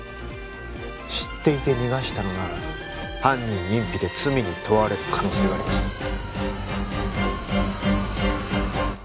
知っていて逃がしたのなら犯人隠避で罪に問われる可能性があります